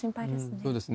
そうですね。